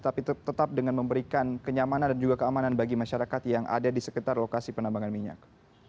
tapi tetap dengan memberikan kenyamanan dan juga keamanan bagi masyarakat yang ada di sekitar lokasi penambangan minyak